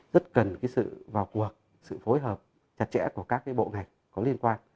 rất cần cái sự vào cuộc sự phối hợp chặt chẽ của các cái bộ ngành có liên quan